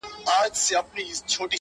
ما ناولونه ؛ ما كيسې ؛ما فلسفې لوستي دي؛